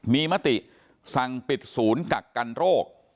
มีมติสั่งปิดศูนย์กักกันโรค